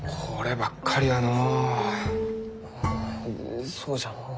ううそうじゃのう。